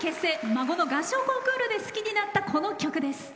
孫の合唱コンクールで好きになったこの曲です。